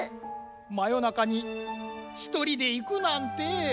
まよなかにひとりでいくなんて。